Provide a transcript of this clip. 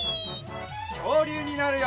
きょうりゅうになるよ！